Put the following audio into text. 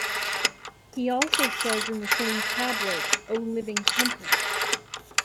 He also says in the same Tablet:O Living Temple!